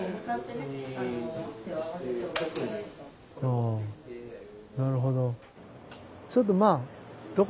あなるほど。